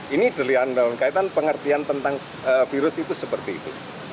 ini dalam kaitan pengertian tentang virus itu seperti itu